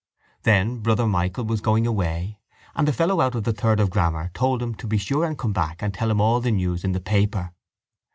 Then Brother Michael was going away and the fellow out of the third of grammar told him to be sure and come back and tell him all the news in the paper.